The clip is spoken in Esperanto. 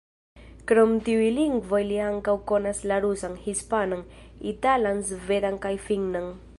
Krom tiuj lingvoj li ankaŭ konas la rusan, hispanan, italan, svedan kaj finnan.